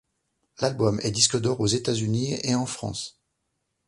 L'album est disque d'or aux États-Unis et en France.